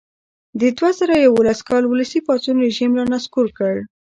د دوه زره یوولس کال ولسي پاڅون رژیم را نسکور کړ.